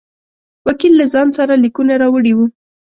وکیل له ځان سره لیکونه راوړي وه.